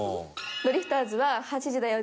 ドリフターズは『８時だョ！